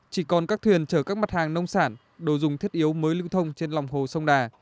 chỉ còn các thuyền chở các mặt hàng nông sản đồ dùng thiết yếu mới lưu thông trên lòng hồ sông đà